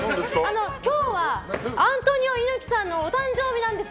今日は、アントニオ猪木さんのお誕生日なんです。